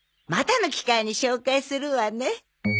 またの機会に紹介するわね。